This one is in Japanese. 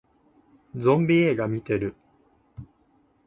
ゾンビ映画見てる